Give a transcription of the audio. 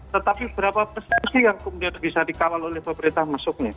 tetapi berapa persensi yang kemudian bisa dikawal oleh pemerintah masuknya